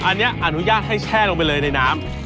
อันนี้อนุญาตให้แช่ลงไปเลยในน้ำ